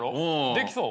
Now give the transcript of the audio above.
できそう？